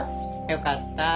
よかった。